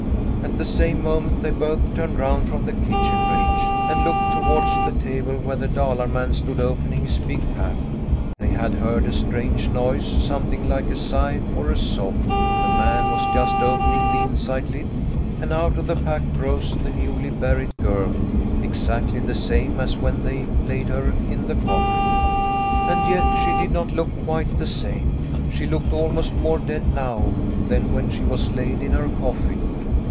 At the same moment they both turned round from the kitchen range, and looked towards the table, where the Dalar man stood opening his big pack. They had heard a strange noise, some thing like a sigh or a sob. The man was just opening the inside lid, and out of the pack rose the newly buried birl, exactly the same as when they laid her in the coffin. And yet she did not look quite the same. She looked almost more dead now than when she was laid in her coffin.